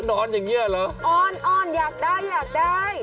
นอนอย่างนี้เหรออ่อนอยากได้